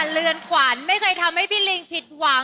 เรือนขวัญไม่เคยทำให้พี่ลิงผิดหวัง